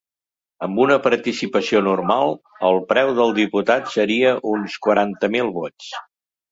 Amb una participació normal, el ‘preu’ del diputat seria d’uns quaranta mil vots.